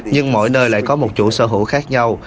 nhưng mỗi nơi lại có một chủ sở hữu khác nhau